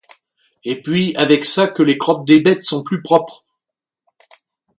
Et puis, avec ça que les crottes des bêtes sont plus propres!...